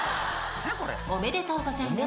おめでとうございます。